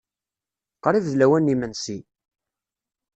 Qrib d lawan n yimensi.